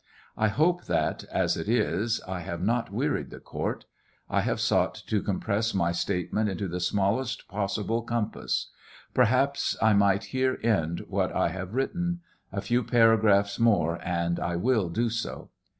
I hope that, as it is, I have not wearied the court. ] have sought to compress my statement into the smallest possible compass Perhaps I might here end what I have written. A few paragraphs more and ] will do so.